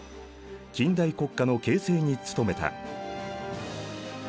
近代国家の形成に努めた。